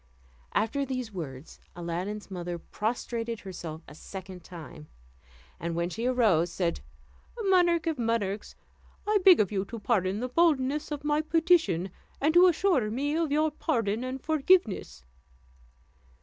After these words, Aladdin's mother prostrated herself a second time; and when she arose, said, "Monarch of monarchs, I beg of you to pardon the boldness of my petition, and to assure me of your pardon and forgiveness."